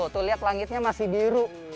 tuh lihat langitnya masih biru